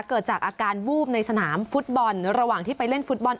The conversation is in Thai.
เกิดจากอาการวูบในสนามฟุตบอลระหว่างที่ไปเล่นฟุตบอล